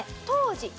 当時。